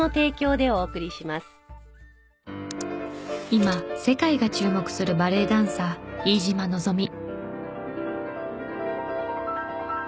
今世界が注目するバレエダンサー飯島望未。